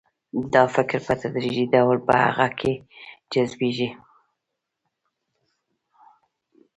دا فکر په تدریجي ډول په هغه کې جذبیږي